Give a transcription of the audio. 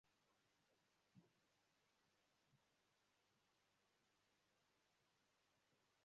Ajabu sasa hadi sasa matunda ambayo dunia imeyatumia ni matunda mia mbili tu